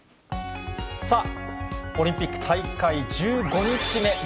さあ、オリンピック大会１５日目。